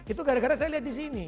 itu gara gara saya lihat di sini